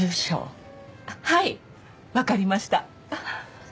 あっはいわかりました